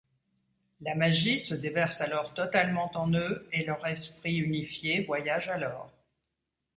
La magie se déverse alors totalement en eux et leur esprit unifié voyage alors.